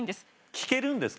聞けるんですか？